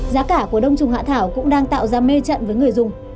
giá cả của đông trùng hạ thảo cũng đang tạo ra mê trận với người dùng